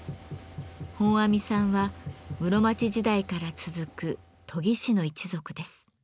本阿弥さんは室町時代から続く研ぎ師の一族です。